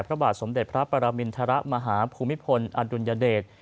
พระบาทสมเด็จพระปรมินทรมาฮภูมิพลอดุลยเดช